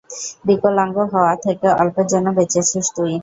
বিকলাঙ্গ হওয়া থেকে অল্পের জন্য বেঁচেছিস তুই।